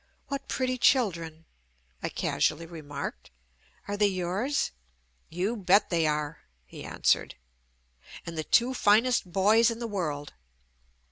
"What pretty children," I casually remarked. "Are they yours?" "You bet they are," he answered. "And the two finest boys in the world."